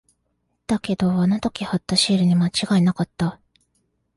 だけど、あの時貼ったシールに間違いなかった。